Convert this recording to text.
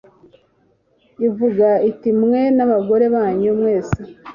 ivuga iti Mwe n abagore banyu mwese